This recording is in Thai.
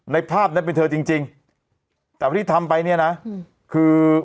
ภาพนั้นเป็นเธอจริงจริงแต่ว่าที่ทำไปเนี่ยนะคือ